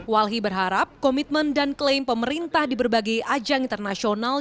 walhi berharap komitmen dan klaim pemerintah di berbagai ajang internasional